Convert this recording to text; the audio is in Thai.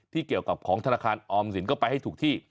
เกี่ยวกับของธนาคารออมสินก็ไปให้ถูกที่